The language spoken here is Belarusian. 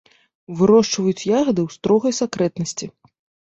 Вырошчваюць ягады ў строгай сакрэтнасці.